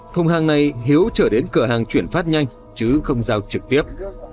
thùng hàng này hiếu chở đến cửa hàng chuyển phát nhanh chứ không giao trực tiếp